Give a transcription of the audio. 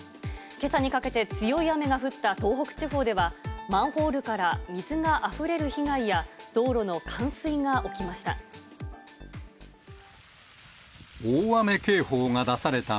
けさにかけて強い雨が降った東北地方では、マンホールから水があふれる被害や、道路の冠水が起きました。